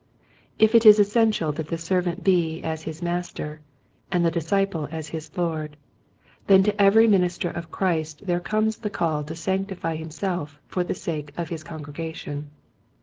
If it is essential that the servant be as his master and the disciple as his Lord, then to every minister of Christ there comes the call to sanctify himself for the sake of his congregation.